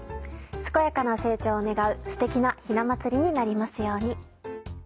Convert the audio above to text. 健やかな成長を願うステキなひな祭りになりますように。